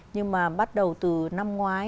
nhưng mà bắt đầu từ năm ngoái